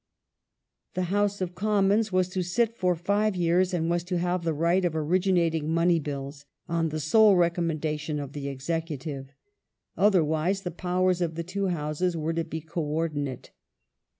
^ The House of Commons was to sit for five years, and was to have the right of originating money Bills, on the sole recommendation of the Executive. Otherwise the powei*s of the two Houses were to be co ordinate.